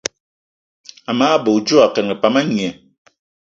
Amage bè odjo akengì pam a ngné.